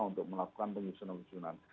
untuk melakukan penyusunan